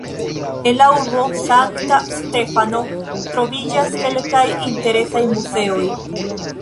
En la urbo Sankta Stefano troviĝas kelkaj interesaj muzeoj.